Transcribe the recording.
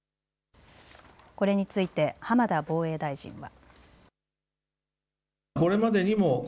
これについて浜田防衛大臣は。